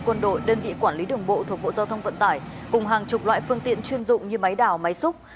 quân đội đơn vị quản lý đường bộ thuộc bộ giao thông vận tải cùng hàng chục loại phương tiện chuyên dụng như máy đảo máy xúc